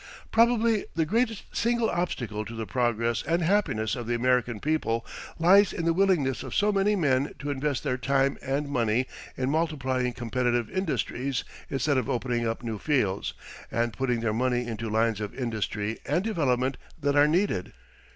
Probably the greatest single obstacle to the progress and happiness of the American people lies in the willingness of so many men to invest their time and money in multiplying competitive industries instead of opening up new fields, and putting their money into lines of industry and development that are needed.